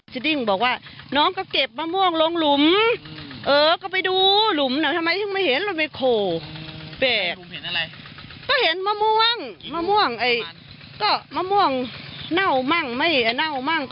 สดิ้งบอกว่าน้องก็เก็บมะม่วงลงหลุมเออก็ไปดูหลุมเนี่ยทำไมไม่เห็นเราเมคโคแปลก